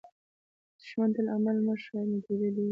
دښمن ته عمل مه ښیه، نتیجه دې ووایه